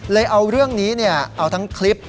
เอาเรื่องนี้เอาทั้งคลิป